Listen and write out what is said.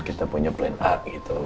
kita punya plan a gitu